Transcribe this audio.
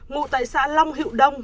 ngụ tại xã long hiệu đông